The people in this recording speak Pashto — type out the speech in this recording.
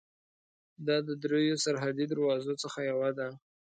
دا د درېیو سرحدي دروازو څخه یوه ده.